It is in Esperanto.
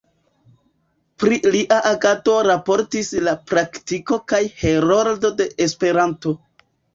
Pri lia agado raportis „La Praktiko“ kaj „Heroldo de Esperanto“.